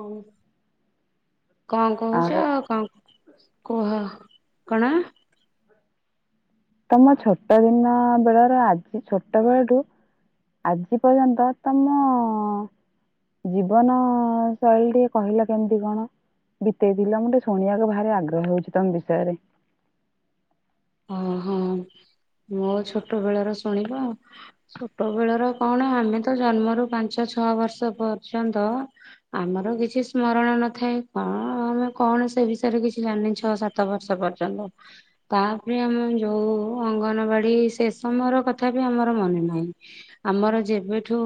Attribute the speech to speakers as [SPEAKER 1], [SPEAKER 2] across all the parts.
[SPEAKER 1] ହଁ କଣ କହୁଛ ଆଉ କଣ କୁହ କଣ?
[SPEAKER 2] ତମ ଛୋଟ ଦିନ ବେଳର ଆଜି ଛୋଟ ବେଳଠୁ ଆଜି ପର୍ଯ୍ୟନ୍ତ ତମ ଜୀବନ ଶୈଳୀ ଟିକେ କହିଲ କେମିତି କଣ ବିତେଇଥିଲ। ମୁଁ ଟିକେ ଶୁଣିବାକୁ ଭାରି ଆଗ୍ରହ ହଉଛି ତମ ବିଷୟରେ।
[SPEAKER 1] ଓହୋ ମୋ ଛୋଟ ବେଳର ଶୁଣିବ ଆଉ। ଛୋଟ ବେଳର କଣ ଆମେ ତ ଜନ୍ମରୁ ପାଞ୍ଚ ଛଅ ବର୍ଷ ପର୍ଯ୍ୟନ୍ତ ଆମର କିଛି ସ୍ମରଣ ନଥାଏ। କଣ ଆମେ କଣ ସେ ବିଷୟରେ କିଛି ଜାଣିନି ଛଅ ସାତ ବର୍ଷ ପର୍ଯ୍ୟନ୍ତ ତା ତାପରେ ଆମେ ଯୋଉ ଅଙ୍ଗନବାଡି ସେ ସମୟର କଥା ବି ଆମର ମନେ ନାହିଁ। ଆମର ଯେବେଠୁ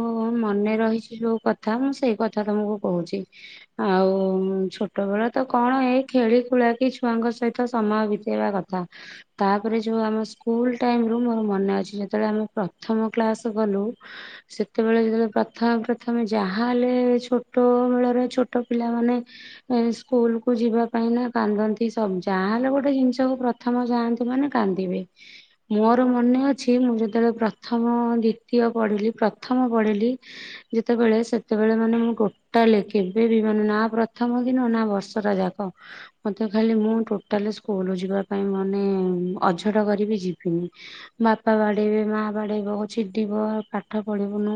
[SPEAKER 1] ମନେ ରହିଛି ଯୋଉ କଥା ମୁଁ ସେଇ କଥା ତମକୁ କହୁଛି। ଆଉ ଛୋଟ ବେଳ ତ କଣ ଏଇ ଖେଳି ଖୁଳା କି ଛୁଆଙ୍କ ସହିତ ସମୟ ବିତେଇବା କଥା। ତାପରେ ଯୋଉ ଆମ ସ୍କୁଲ ଟାଇମ ରୁ ମୋର ମନେ ଅଛି ଯେତେବେଳେ ଆମେ ପ୍ରଥମ କ୍ଲାସ ଗଲୁ ସେତେବେଳେ ଯେତେବେଳେ ପ୍ରଥମେ ପ୍ରଥମେ ଯାହାହେଲେ ଛୋଟ ମେଳରେ ଛୋଟ ପିଲାମାନେ ସ୍କୁଲ କୁ ଯିବା ପାଇଁ ନା କାନ୍ଦନ୍ତି ସବୁ ଯାହାହେଲେ ଗୋଟେ ଜିନିଷକୁ ପ୍ରଥମ ଯାଆନ୍ତି ମାନେ କାନ୍ଦିବେ। ମୋର ମନେ ଅଛି ମୁଁ ଯେତେବେଳେ ପ୍ରଥମ ଦ୍ଵିତୀୟ ପଢିଲି ପ୍ରଥମ ପଢିଲି ଯେତେବେଳେ ସେତେବେଳେ ମାନେ ମୁଁ ଟୋଟାଲି କେବେ ବି ମାନେ ନା ପ୍ରଥମ ଦିନ ନା ବର୍ଷଟା ଯାକ ମତେ ଖାଲି ମୁଁ ଟୋଟାଲି ସ୍କୁଲ ଯିବା ପାଇଁ ମାନେ ଅଝଟ କରିବି ଯିବିନି। ବାପା ବାଡେଇବେ ମା ବାଡେଇବ ଛିଟିବ ପାଠ ପଢିବୁନୁ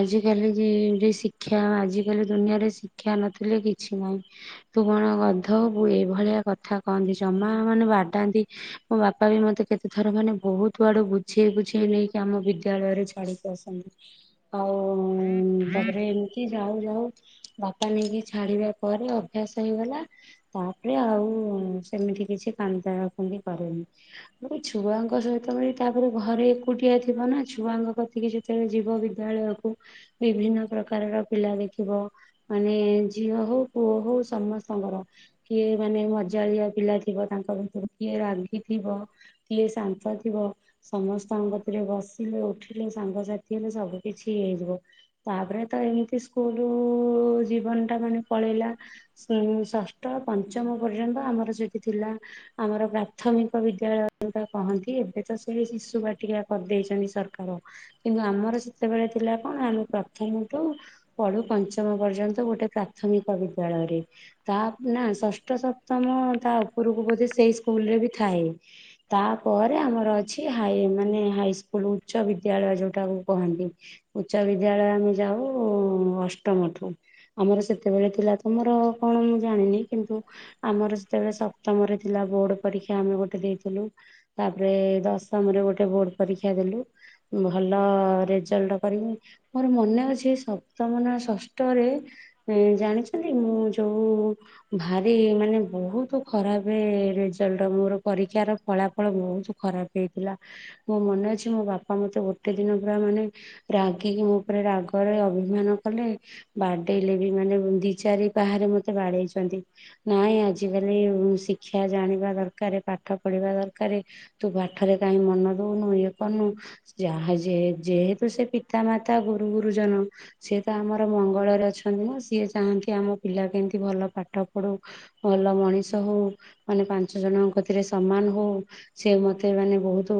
[SPEAKER 1] ଆଜିକାଲି ଯି ଯିଏ ଶିକ୍ଷା ଆଜିକାଲି ଦୁନିଆରେ ଶିକ୍ଷା ନଥିଲେ କିଛି ନାହିଁ ତୁ କଣ ଗଧ ହବୁ। ଏଇଭଳିଆ କଥା କହନ୍ତି ଜମା ମାନେ ବାଡାନ୍ତି ମୋ ବାପା ବି ମତେ କେତେ ଥର ମାନେ ବହୁତ ଆଡୁ ବୁଝେଇ ବୁଝେଇ ନେଇକି ଆମ ବିଦ୍ୟାଳୟରେ ଛାଡିକି ଆସନ୍ତି। ଆଉ ତାପରେ ଏମିତି ଯାଉ ଯାଉ ବାପା ନେଇକି ଛାଡିବା ପରେ ଅଭ୍ୟାସ ହେଇଗଲା ତାପରେ ଆଉ ସେମିତି କିଛି କାନ୍ଦ କୁନ୍ଦୀ କରେନି। ମୁଁ କହିଲି ଛୁଆଙ୍କ ସହିତ ବି ତାପରେ ଘରେ ଏକୁଟିଆ ଥିବ ନା ଛୁଆଙ୍କ କତିକି ଯେତେବେଳେ ଯିବ ବିଦ୍ୟାଳୟକୁ ବିଭିନ୍ନ ପ୍ରକାରର ପିଲା ଦେଖିବ। ମାନେ ଝିଅ ହଉ ପୁଅ ହଉ ସମସ୍ତଙ୍କର କିଏ ମାନେ ମଜାଳିଆ ପିଲା ଥିବ ତାଙ୍କ ଭିତରେ କିଏ ରାଗିଥିବ କିଏ ଶାନ୍ତ ଥିବ ସମସ୍ତଙ୍କ କତିରେ ବସିଲେ ଉଠିଲେ ସାଙ୍ଗସାଥି ହେଲେ ସବୁ କିିଛି ଇଏ ହେଇଯିବ। ତାପରେ ତ ଏମିତି ସ୍କୁଲ ଜୀବନଟା ମାନେ ପଳେଇଲା ଉଁ ଷଷ୍ଠ ପଞ୍ଚମ ପର୍ଯ୍ୟନ୍ତ ଆମର ସେଇଠି ଥିଲା ଆମର ପ୍ରାଥମିକ ବିଦ୍ୟାଳୟ ଯୋଉଟା କହନ୍ତି ଏବେ ତ ସେଇ ଶିଶୁ ବାଟିକା କରିଦେଇଛନ୍ତି ସରକାର କିନ୍ତୁ ଆମର ସେତେବେଳେ ଥିଲା କଣ ଆମେ ପ୍ରଥମଠୁ ପଢୁ ପଞ୍ଚମ ପର୍ଯ୍ୟନ୍ତ ଗୋଟେ ପ୍ରାଥମିକ ବିଦ୍ୟାଳୟରେ ତା ନା ଷଷ୍ଠ ସପ୍ତମ ତା ଉପରକୁ ବୋଧେ ସେଇ ସ୍କୁଲରେ ବି ଥାଏ। ତାପରେ ଆମର ଅଛି ହାଇ ମାନେ ହାଇସ୍କୁଲ ଉଚ୍ଚ ବିଦ୍ୟାଳୟ ଯୋଉଟାକୁ କହନ୍ତି ଉଚ୍ଚ ବିଦ୍ୟାଳୟ ଆମେ ଯାଉ ଅଷ୍ଟମଠୁ ଆମର ସେତେବେଳେ ଥିଲା ତମର କଣ ମୁଁ ଜାଣିନି କିନ୍ତୁ ଆମର ସେତେବେଳେ ସପ୍ତମରେ ଥିଲା ବୋର୍ଡ ପରୀକ୍ଷା ଆମେ ଗୋଟେ ଦେଇଥିଲୁ। ତାପରେ ଦଶମରେ ଗୋଟେ ବୋର୍ଡ ପରୀକ୍ଷା ଦେଲୁ। ଭଲ ରେଜଲ୍ଟ କରିବି ମୋର ମନେ ଅଛି ସପ୍ତମ ନା ଷଷ୍ଠରେ ଜାଣିଛନ୍ତି ମୁଁ ଯୋଉ ଭାରି ମାନେ ବହୁତ ଖରାପ ଏ ରେଜଲ୍ଟ ମୋର ପରୀକ୍ଷାର ଫଳାଫଳ ବହୁତ ଖରାପ ହେଇଥିଲା। ମୋ ମନେ ଅଛି ମୋ ବାପା ମୋତେ ଗୋଟେ ଦିନ ପୁରା ମାନେ ରାଗିକି ମୋ ଉପରେ ରାଗରେ ଅଭିମାନ କଲେ ବାଡେଇଲେ ବି ମାନେ ଦି ଚାରି ପାହାରେ ମତେ ବାଡେଇଛନ୍ତି ନାଇଁ ଆଜିକାଲି ଶିକ୍ଷା ଜାଣିବା ଦରକାରେ। ପାଠ ପଢିବା ଦରକାରେ। ତୁ ପାଠରେ କାହିଁ ମନ ଦଉନୁ ଇଏ କରନୁ ଯାହା ଯେହେ ଯେହେତୁ ସେ ପିତା ମାତା ଗୁରୁ ଗୁରୁଜନ ସିଏ ତ ଆମର ମଙ୍ଗଳରେ ଅଛନ୍ତି ନା ସିଏ ଚାହାଁନ୍ତି ଆମ ପିଲା କେମିତି ଭଲ ପାଠ ପଢୁ ଭଲ ମଣିଷ ହଉ ମାନେ ପାଞ୍ଚ ଜଣଙ୍କ ରେ ସମାନ ହଉ। ସେ ମତେ ମାନେ ବହୁତ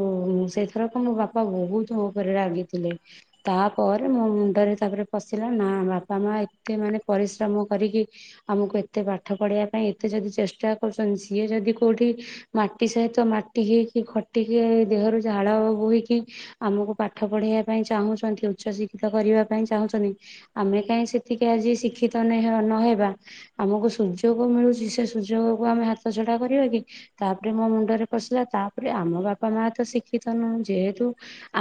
[SPEAKER 1] ସେଇଥର କଣ ମୋ ବାପା ବହୁତ ମୋ ଉପରେ ରାଗିଥିଲେ। ତାପରେ ମୋ ମୁଣ୍ଡରେ ତାପରେ ପଶିଲା ନା ବାପା ମା ଏତେ ମାନେ ପରିଶ୍ରମ କରିକି ଆମକୁ ଏତେ ପାଠ ପଢିବା ପାଇଁ ଏତେ ଯଦି ଚେଷ୍ଟା କରୁଛନ୍ତି ସିଏ ଯଦି କୋଉଠି ମାଟି ସହିତ ମାଟି ହେଇକି ଖଟିକି ଦେହରୁ ଝାଳ ବୋହିକି ଆମକୁ ପାଠ ପଢେଇବା ପାଇଁ ଚାହୁଁଛନ୍ତି ଉଚ୍ଚଶିକ୍ଷିତ କରିବା ପାଇଁ ଚାହୁଁଛନ୍ତି ଆମେ କାହିଁ ସେତିକି ଆଜି ଶିକ୍ଷିତ ନହେବା ଆମକୁ ସୁଯୋଗ ମିଳୁଛି ସେ ସୁଯୋଗ କୁ ଆମେ ହାତ ଛଡା କରିବା କି। ତାପରେ ମୋ ମୁଣ୍ଡରେ ପଶିଲା ତାପରେ ଆମ ବାପା ମା ତ ଶିକ୍ଷିତ ନୁହଁ। ଯେହେତୁ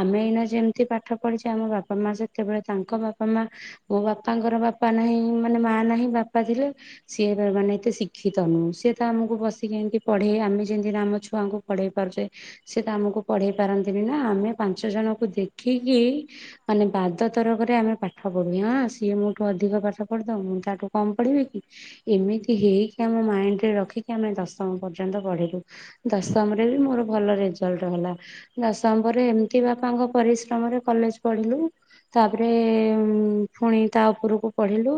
[SPEAKER 1] ଆମେ ଏଇନା ଯେମିତି ପାଠ ପଢିଛେ ଆମ ବାପା ମା ସେତେବେଳେ ତାଙ୍କ ବାପା ମା ମୋ ବାପାଙ୍କର ବାପା ନାହିଁ ମାନେ ମା ନାହିଁ ବାପା ଥିଲେ ସିଏ ମାନେ ଏତେ ଶିକ୍ଷିତ ନୁହଁ। ସିଏ ତ ଆମକୁ ବସିକି ଏମତି ପଢେଇବେ। ଆମେ ଯେମିତି ଆମ ଛୁଆଙ୍କୁ ପଢେଇ ପାରୁଛେ ସିଏ ତ ଆମକୁ ପଢେଇ ପାରନ୍ତିନି ନା ଆମେ ପାଞ୍ଚ ଜଣଙ୍କୁ ଦେଖିକି ମାନେ ବାଦ ତରକରେ ଆମେ ପାଠ ପଢୁ। ହଁ ସିଏ ମୋଠୁ ଅଧିକ ପାଠ ପଢିଦବ ମୁଁ ତାଠୁ କମ ପଢିବି କି। ଏମିତି ହେଇକି ଆମ ମାଇଣ୍ଡରେ ରଖି କି ଆମେ ଦଶମ ପର୍ଯ୍ୟନ୍ତ ପଢିଲୁ। ଦଶମରେ ବି ମୋର ଭଲ ରେଜଲ୍ଟ ହେଲା। ଦଶମ ପରେ ଏମିତି ବାପାଙ୍କ ପରିଶ୍ରମରେ କଲେଜ ପଢିଲୁ। ତାପରେ ପୁଣି ତା ଉପରକୁ ପଢିଲୁ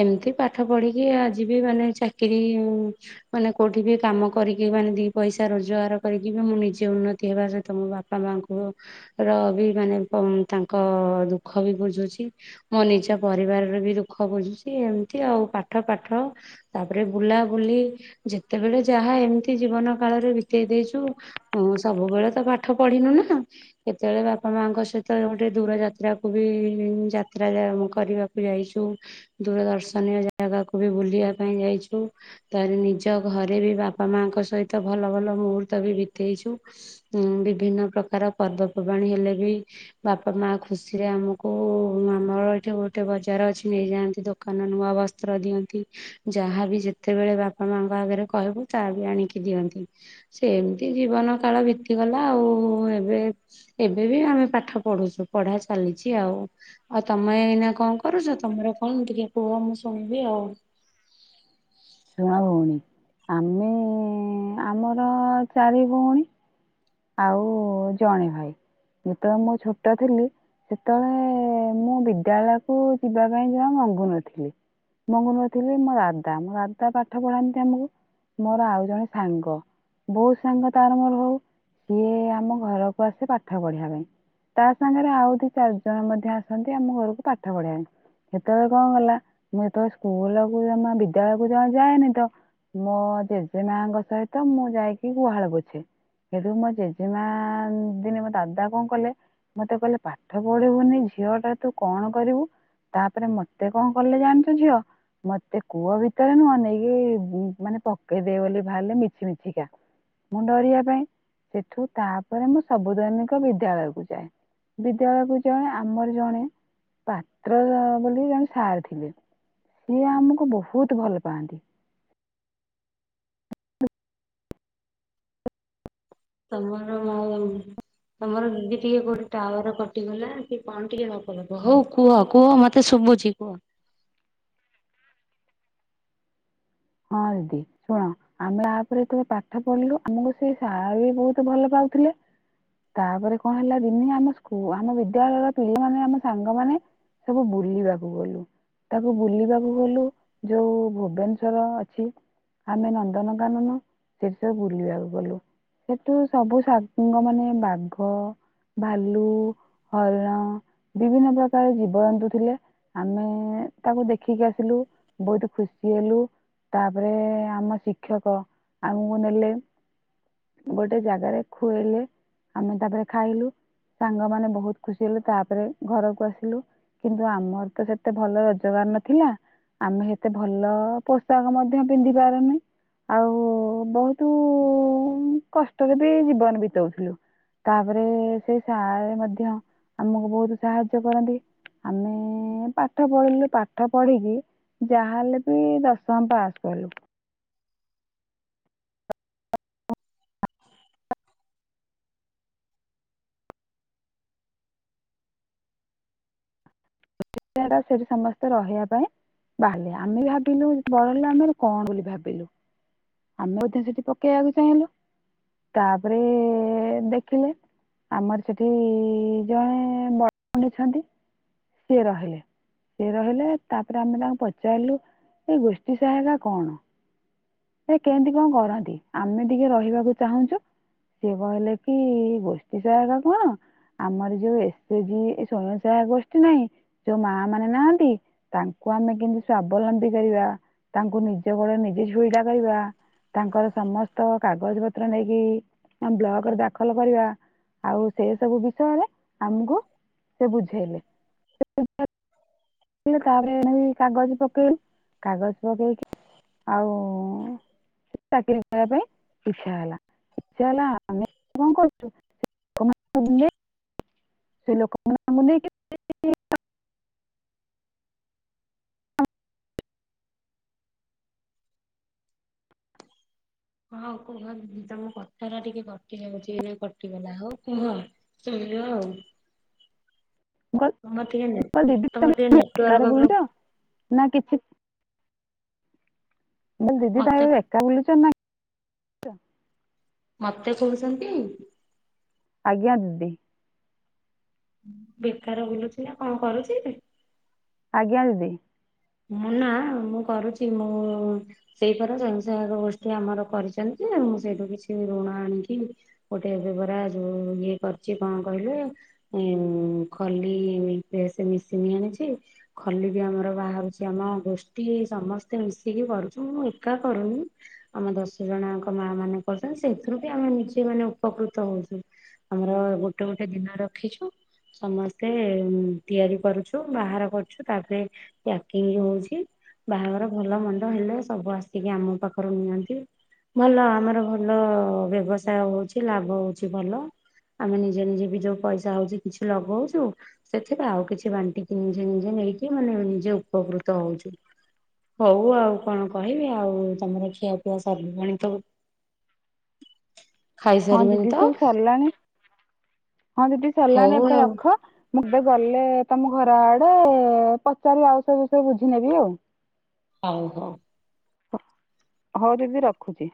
[SPEAKER 1] ଏମିତି ପାଠ ପଢିକି ଆଜି ବି ମାନେ ଚାକିରୀ ମାନେ କୋଉଠି ବି କାମ କରିକି ମାନେ ଦି ପଇସା ରୋଜଗାର କରିକି ବି ମୁଁ ନିଜେ ଉନ୍ନତି ହେବା ସହିତ ମୋ ବାପା ମାଙ୍କୁ ର ବି ମାନେ ତାଙ୍କ ଦୁଃଖ ବି ବୁଝୁଛି। ମୋ ନିଜ ପରିବାରର ବି ଦୁଃଖ ବୁଝୁଛି ଏମିତି ଆଉ। ପାଠ ପାଠ ତାପରେ ବୁଲାବୁଲି ଯେତେବେଳେ ଯାହା ଏମିତି ଜୀବନ କାଳରେ ବିତେଇ ଦେଇଛୁ। ସବୁବେଳେ ତ ପାଠ ପଢିନୁ ନା କେତେବେଳେ ବାପା ମାଙ୍କ ସହିତ ଗୋଟେ ଦୂର ଯାତ୍ରାକୁ ବି ଯାତ୍ରା କରିବାକୁ ଯାଇଛୁ ଦୂର ଦର୍ଶନୀୟ ଜାଗାକୁ ବି ବୁଲିବା ପାଇଁ ଯାଇଛୁ। ତାହାରି ନିଜ ନିଜ ଘରେ ବି ବାପା ମାଙ୍କ ସହିତ ଭଲ ଭଲ ମୁହୂର୍ତ୍ତ ବି ବିତେଇଛୁ। ବିଭିନ୍ନ ପ୍ରକାର ପର୍ବପର୍ବାଣି ହେଲେ ବି ବାପା ମା ଖୁସିରେ ଆମକୁ ଆମର ଏଠି ଗୋଟେ ବଜାର ଅଛି ନେଇଯାଆନ୍ତି ଦୋକାନ ନୂଆ ବସ୍ତ୍ର ଦିଅନ୍ତି ଯାହାବି ଯେତେବେଳେ ବାପା ମା ଭାବରେ କହିବୁ ତା ବି ଆଣିକି ଦିଅନ୍ତି। ସେମିତି ଜୀବନ କାଳ ବିତିଗଲା ଆଉ ଏବେ ଏବେ ବି ଆମେ ପାଠ ପଢୁଛୁ ପଢା ଚାଲିଛି ଆଉ। ଆଉ ତମେ ଏଇନା କଣ କରୁଛ? ତମର କଣ ଟିକେ କୁହ ମୁଁ ଶୁଣିବି ଆଉ।
[SPEAKER 2] ଶୁଣ ଭଉଣୀ। ଆମେ ଆମର ଚାରି ଭଉଣୀ ଆଉ ଜଣେ ଭାଇ ଯେତେବେଳେ ମୁଁ ଛୋଟ ଥିଲି ସେତେବେଳେ ମୁଁ ବିଦ୍ୟାଳୟ କୁ ଯିବା ପାଇଁ ଜମହା ମଙ୍ଗୁ ନ ଥିଲି ମଙ୍ଗୁ ନ ଥିଲି ମୋ ଦାଦା ତା ପାଠ ପଢାନ୍ତି ଆମକୁ ମୋର ଆଉ ଜଣେ ସାଙ୍ଗ ବୋଉତ ସାଙ୍ଗ ତାର ମୋର ହଉ ସିଏ ଆମ ଘରକୁ ଆସେ ପାଠ ପଢିବା ପାଇଁ ତା ସାଙ୍ଗରେ ଆଉ ଦି ଚାରି ଜଣ ମଧ୍ୟ ଆସନ୍ତି ଆମ ଘରକୁ ପାଠ ପଢିବା ପାଇଁ ସେତେବେଳେ କଣ ଗଲା ମୁଁ ଯେତେବେଳେ ସ୍କୁଲକୁ ଜ ବିଦ୍ୟାଳୟ ଣ ଯାଏନି ତ ମୋ ଜେଜେମାଙ୍କ ସହିତ ମୁଁ ଯାଇକି ଗୁହାଳ ପୋଛେ ହେଠୁ ମୋ ଜେଜେମା ଦିନେ ମୋ ଦାଦା କଣ କଲେ ମତେ କହିଲେ ପାଠ ପଢିବୁନି ଝିଅ ଟା ତୁ କଣ କରିବୁ ତାପରେ ମତେ କଣ କଲେ ଜାଣିଛୁ ଝିଅ ମତେ କୁଅ ଭି ସେତେବେଳେ ମୁଁ ଅନେେଇକି ମାନେ ପକେଇଦେ ବୋଲି ବାହାରିଲେ ମିଛି ମିଛିକା ମୁଁ ଡରିବା ପାଇଁ ସେଠୁ ତାପରେ ମୁଁ ସବୁ ଦୈନିକ ବିଦ୍ୟାଳୟକୁ ଯାଏ ବିଦ୍ୟାଳୟକୁ ଜଣେ ଆମର ଜଣେ ପାତ୍ର ବୋଲି ଜଣେ ସାର୍ ଥିଲେ ସିଏ ଆମକୁ ବହୁତ ତ ଭଲ ପାଆନ୍ତି।
[SPEAKER 1] ତମର ତମର ଦିଦି ଟିକେ କୋଉଠି ଟାୱାର କଟିଗଲା ସେ ପାଣି ଟିକେ ନକବ ହଉ କୁହ କୁହ ମତେ ଶୁଭୁଛି କୁହ।
[SPEAKER 2] ହଁ ଦିଦି ଶୁଣ ଆମେ ଆପରେ ତ ପାଠ ପଢିଲୁ ଆମକୁ ସେ ସାର୍ ବି ବହୁତ ଭଲ ପାଉଥିଲେ ତାପରେ କଣ ହେଲା ଦିନି ଆମ ସ୍କୁ ଆମ ବିଦ୍ୟାଳୟର ପିଲାମାନେ ଆମ ସାଙ୍ଗମାନେ ସବୁ ବୁଲିବାକୁ ଗଲୁ ତାକୁ ବୁଲିବାକୁ ଗଲୁ ଯୋଉ ଭୁବନେଶ ର ଅଛି ଆମେ ନନ୍ଦନକାନନ ସେଠ ସବୁ ବୁଲିବାକୁ ଗଲୁ ସେଠୁ ସବୁ ସାଙ୍ଗ ମାନେ ବାଘ ଭାଲୁ ହରିଣ ବିଭିନ୍ନ ପ୍ରକାର ଜୀବଜନ୍ତୁ ଥିଲେ ଆମେ ତାକୁ ଦେଖିକି ଆସିଲୁ ବହୁତ ଖୁସି ହେଲୁ। ତାପରେ ଆମ ଶିକ୍ଷକ ଆମକୁ ନେଲେ ଗୋଟେ ଜାଗାରେ ଖୁଆଇଲେ ଆମେ ତାପରେ ଖାଇଲୁ ସାଙ୍ଗମାନୋନ ବହୁତ ଖୁସି ହେଲେୁ ତାପରେ ଘରକୁ ଆସିଲୁ କିନ୍ତୁ ଆମର ତ ସେତେ ଭଲ ରୋଜଗାର ନଥିଲା ଆମେ ସେତେ ଭଲ ପ ପୋଷାକ ମଧ୍ୟ ପିନ୍ଧି ପାରୁନି ଆଉ ବହୁତ କଷ୍ଟରେ ବି ଜୀବନ ବିତାଉଥିଲୁ ତାପରେ ସେ ସର ମଧ୍ୟ ଆମକୁ ବହୁତ ସାହାଯ୍ୟ କରନ୍ତି ଆମେ ପାଠ ପଢିଲୁ ପାଠ ପଢିକି ଯାହାହେଲେ ବି ଦଶ ମ ପାସ କଲୁ। ସୋ ସେଠି ସମସ୍ତେ ରହିବା ପାଇଁ ବାହାରିଲେ ଆମେ ଭାବିଲୁ ବର ହେଲେ ଆମର କଣ ବୋଲି ଭାବିଲୁ ଆମେ ମଧ୍ୟ ସେଠି ପକେଇବାକୁ ଚାହିଁଲୁ ତାପରେ ଦେଖିଲେ ଆମର ସେଠି ଜଣେ ବଡ଼ ଭଉଣୀ ଅଛନ୍ତି। ସିଏ ରହିଲେ ସିଏ ରହିଲେ ତାପରେ ଆମେ ତାଙ୍କୁ ପଚାରିଲୁ ଏଇ ଗୋଷ୍ଠୀ ସହାୟତା କଣ? ସେ କେମିତି କଣ କରନ୍ତି ଆମେ ଟିକେ ରହିବାକୁ ଚାହୁଁଛୁ ସିଏ କହିଲେ କି ଗୋଷ୍ଠୀ ସହାୟକ କଣ ଆମର ଯୋଉ ଏସଜି ସ୍ଵୟଂ ସହାୟକ ଗୋଷ୍ଠୀ ନାହିଁ ଯୋଉ ମା ମାନେ ନାହାନ୍ତି ତାଙ୍କୁ ଆମେ କେମିତି ସ୍ଵାବଲମ୍ବୀ କରିବା ତାଙ୍କୁ ନିଜ ଗୋଡ ନିଜେ ଛିଡା କରିବା ତାଙ୍କର ସମସ୍ତ କାଗଜ ପତ୍ର ନେଇକି ବ୍ଲକ ଦାଖଲ କରିବା। ଆଉ ସେ ସବୁ ବିଷୟରେ ଆମକୁ ସେ ବୁଝେଇଲେ। ତାପରେ ଆମ କାଗଜ ପକେଇଲୁ କାଗଜ ପକେଇକି ଆଉ ଚାକିରି କରିବା ପାଇଁ ଇଛା ହେଲା ଇଛା ହେଲା ଆମେ କଣ କରଛୁ ସେ ଲୋକମାନଙ୍କୁ ନେଇକି ଲୋକମାନଙ୍କୁ ନେଇକି
[SPEAKER 1] ହଁ କୁହ ଦିଦି ତମ କଥା ଟା ଟିକେ କଟି ଯାଉଛି ନା କଟିଗଲା ହଉ କୁହ ଶୁଣିବ ଆଉ।
[SPEAKER 2] ମୁଁ
[SPEAKER 1] ତମର ଟିକେ ନେଟ
[SPEAKER 2] କହିଲି
[SPEAKER 1] ତମର ଟିକେ
[SPEAKER 2] ଦିଦି
[SPEAKER 1] ନେଟୱାର୍କ
[SPEAKER 2] ତମେ
[SPEAKER 1] ପ୍ରୋ
[SPEAKER 2] ବୁଲଛ ନା କିଛି ବ ଦିଦି ତା
[SPEAKER 1] ମତେ
[SPEAKER 2] ଏକା ବୁଲୁଛ ନା [unintelligible]
[SPEAKER 1] ମତେ କହୁଛନ୍ତି
[SPEAKER 2] ଆଜ୍ଞା ଦିଦି।
[SPEAKER 1] ବେକାର ବୁଲୁଛି ନା କଣ କରୁଛି?
[SPEAKER 2] ଆଜ୍ଞା ଦିଦି।
[SPEAKER 1] ମୁଁ ନା ମୁଁ କରୁଛି ମୁଁ ସେଇପରା ସଵୟଂସହାୟକ ଗୋଷ୍ଠୀ ଆମର କରିଛନ୍ତି ମୁଁ ସେଇଠୁ କିଛି ଋଣ ଆଣିକି ଗୋଟେ ଏବେ ପରା ଯୋଉ ଇଏ କରିଛି କଣ କହିଲେ ଖଲି ପ୍ରେସ ମେସିନି ଆଣିଛି ଖଲି ବି ଆମର ବାହାରୁଛି। ଆମ ଗୋଷ୍ଠୀ ସମସ୍ତେ ମିଶିକି କରୁଛୁ ମୁଁ ଏକା କରୁନି ଆମ ଦଶ ଜଣଙ୍କ ମା ମାନେ କରୁଛନ୍ତି ସେଇଥିରୁ ବି ଆମେ ନିଜେ ମାନେ ଉପକୃତ ହଉଛୁ ଆମର ଗୋଟେ ଗୋଟେ ଦିନ ରଖିଛୁ ସମସ୍ତେ ତିଆରି କରୁଛୁ ବାହାର କରୁଛୁ ତାପରେୟା କି ହଉଛି ବାହାଘର ଭଲ ମନ୍ଦ ହେଲେ ସବୁ ଆସିକି ଆମ ପାଖରୁ ନିଅନ୍ତି ଭଲ ଆମର ଭଲ ବ୍ୟବସାୟ ହଉଛି ଲାଭ ହଉଛି ଭଲ ଆମେ ନିଜେ ନିଜେ ବି ଯୋଉ ପଇସା ହଉଛି କିଛି ଲଗଉଛୁ ସେଥିରେ ଆଉ କିଛି ବାଣ୍ଟିକି ନିଜେ ନିଜେ ନେଇକି ମାନେ ନିଜେ ଉପକୃତ ହଉଛି ହଉ ଆଉ କଣ କହିବି ଆଉ ତମର ଖିଆ ପିଆ ସରିଲ ପାଣି ତ
[SPEAKER 2] ହଁ
[SPEAKER 1] ଖାଇସାରିବେଣି
[SPEAKER 2] ଦିଦି
[SPEAKER 1] ତ?
[SPEAKER 2] ସବୁ ସରିଲାଣି। ହଁ ଦିଦି ସଲାନି
[SPEAKER 1] ହଉ
[SPEAKER 2] ଏବେ
[SPEAKER 1] ଆଉ
[SPEAKER 2] ରଖ। ମୁଁ ଏତେ ଗଲେ ତମ ଘର ଆଡେ ପଚାରିବି ଆଉ ସବ ବିଷୟ ବୁଝି ନେବି ଆଉ।
[SPEAKER 1] ହଉ ହଉ।
[SPEAKER 2] ହଉ ଦିଦି ରଖୁଛି।